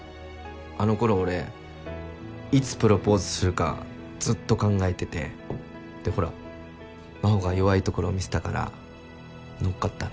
あのころ俺いつプロポーズするかずっと考えててでほら真帆が弱いところ見せたから乗っかったの。